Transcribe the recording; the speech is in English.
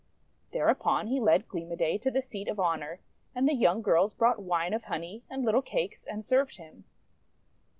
Thereupon he led Gleam o' Day to the seat of honour, and the young girls brought wine of honey and little cakes, and served him.